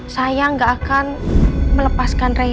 saya gak akan melepaskan reyna